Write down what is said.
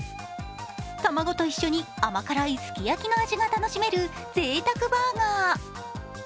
卵と一緒に甘辛いすき焼きの味が楽しめるぜいたくバーガー。